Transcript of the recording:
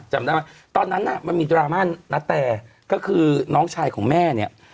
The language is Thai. จำได้ไหมตอนนั้นน่ะมันมีดราม่าณแต่ก็คือน้องชายของแม่เนี่ย